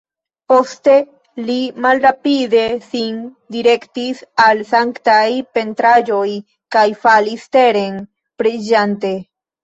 Poste li malrapide sin direktis al sanktaj pentraĵoj kaj falis teren, preĝante.